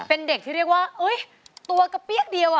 เป็นเด็กที่เรียกว่าตัวกระเปี๊ยกเดียว